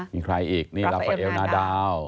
มีใครอีกนี่ลาฟาเอลนาดาว